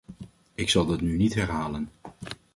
Ik zal dat nu niet herhalen.